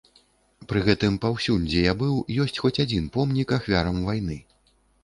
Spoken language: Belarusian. Пры гэтым паўсюль, дзе я быў, ёсць хоць адзін помнік ахвярам вайны.